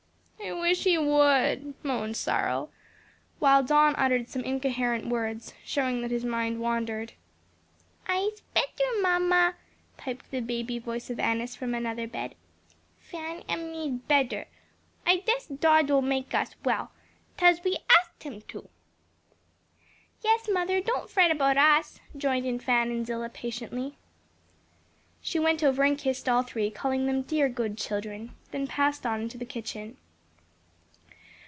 "I wish he would," moaned Cyril, while; Don uttered some incoherent words, showing that his mind wandered. "I'se better, mamma," piped the baby voice of Annis from another bed. "Fan and me's better. I dess Dod will make us well, 'tause we asked him to." "Yes, mother, don't fret about us," joined in Fan and Zillah patiently. She went over and kissed all three, calling them "dear good children," then passed on into the kitchen.